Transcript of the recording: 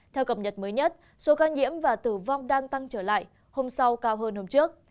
theo cập nhật mới nhất số ca nhiễm và tử vong đang tăng trở lại hôm sau cao hơn hôm trước